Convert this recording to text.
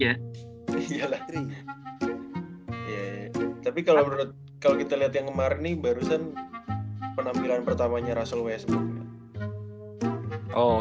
iya ya tapi kalau menurut kita yang kemarin nih barusan penampilan pertamanya russell westbrook